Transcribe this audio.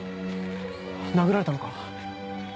殴られたのか？